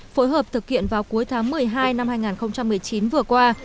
phối hợp thực hiện vào cuối tháng một mươi hai năm hai nghìn một mươi chín vừa qua